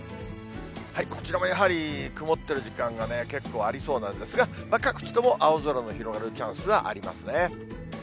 こちらもやはり曇ってる時間がね、結構ありそうなんですが、各地とも青空の広がるチャンスはありますね。